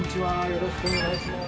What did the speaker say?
よろしくお願いします。